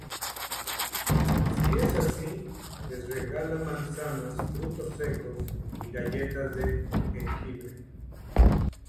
Si es así, les regala manzanas, frutos secos, y galletas de jengibre.